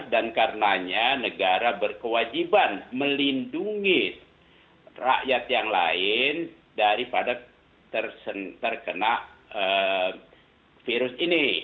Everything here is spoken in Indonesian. dan karenanya negara berkewajiban melindungi rakyat yang lain daripada terkena virus ini